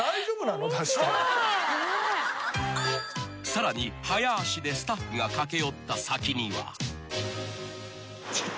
［さらに早足でスタッフが駆け寄った先には］